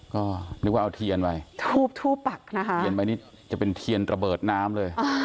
ก็นึกว่าเอาเทียนไปทูบทูบปักนะคะเทียนไปนี่จะเป็นเทียนระเบิดน้ำเลย